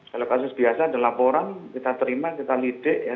kalau kasus biasa ada laporan kita terima kita lidik ya